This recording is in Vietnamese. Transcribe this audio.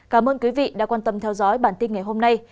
cảm ơn quý vị đã quan tâm theo dõi bản tin ngày hôm nay